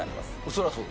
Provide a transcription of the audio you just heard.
そりゃそう。